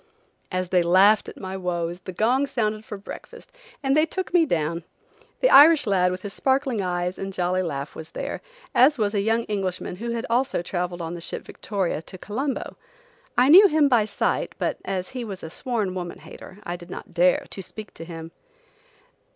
As they laughed at my woes the gong sounded for breakfast and they took me down. The Irish lad, with his sparkling eyes and jolly laugh, was there, as was a young Englishman who had also traveled on the ship Victoria to Colombo. I knew him by sight, but as he was a sworn woman hater I did not dare to speak to him.